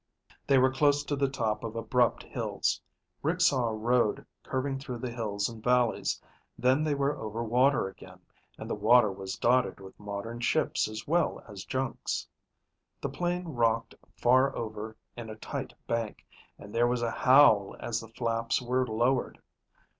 They were close to the top of abrupt hills. Rick saw a road curving through the hills and valleys, then they were over water again, and the water was dotted with modern ships as well as junks. The plane rocked far over in a tight bank, and there was a howl as the flaps were lowered.